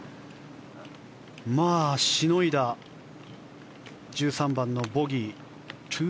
しのいだ１３番のボギー。